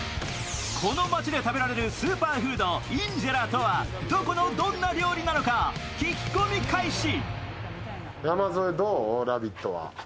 この街で食べられるスーパーフード、インジェラとはどこのどんな料理なのか聞き込み開始。